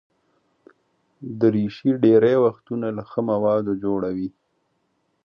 دریشي ډېری وختونه له ښه موادو جوړه وي.